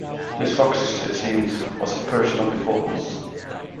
This Fox, it seemed, was a person of importance.